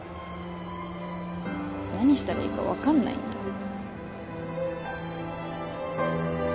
何したらいいか分かんないんだ